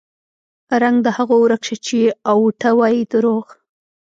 رنګ د هغو ورک شه چې اوټه وايي دروغ